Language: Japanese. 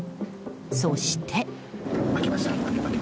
そして。